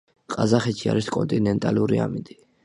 ყაზახეთში არის კონტინენტალური ამინდი.